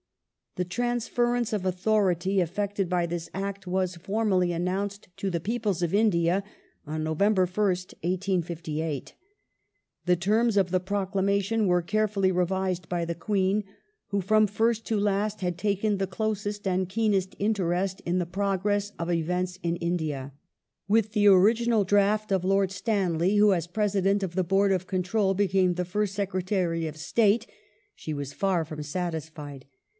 ^ The transference of authority effected by this Act was formally The announced to the peoples of India on November 1st, 1858. The Queen's 1 •_,, .11.1/^ 1 Proclama terms or the proclamation were carefully revised by the Queen, who, tion from first to last, had taken the closest and keenest interest in the progress of events in India. With the original draft of Lord Stanley, who as President of the Board of Control became the fii st Secretary of State, she was far from satisfied.